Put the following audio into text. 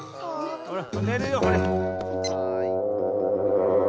ほらねるよほれ。